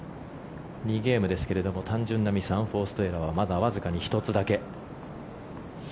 ２ゲームですけども単純なミスアンフォーストエラーはまだわずかに１つだけ。